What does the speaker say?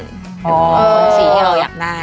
เสร็จอะไม้ทนสีเราก็อยากได้เนี่ยวิบวับ